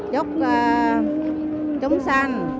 chúc chúng sanh